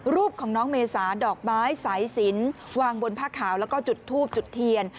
รูปของน้องเมษาดอกไม้สายสินวางบนผ้าขาวแล้วก็จุดทูบจุดเทียน